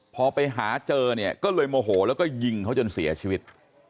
พอไปหาเจอเนี่ยก็เลยโมโหแล้วก็ยิงเขาจนเสียชีวิต